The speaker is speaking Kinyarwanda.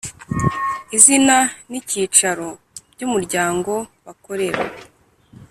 izina n icyicaro by umuryango bakorera